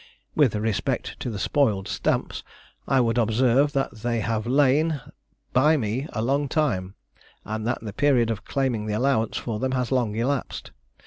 With respect to the spoiled stamps, I would observe, that they have lain by me a long time, and that the period of claiming the allowance for them has long elapsed.